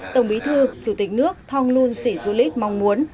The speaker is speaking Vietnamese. tổng bí thư chủ tịch nước thong luân sĩ du lít mong muốn